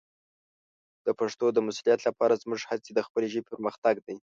د پښتو د مسوولیت لپاره زموږ هڅې د خپلې ژبې پرمختګ دی.